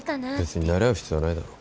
別になれ合う必要はないだろ。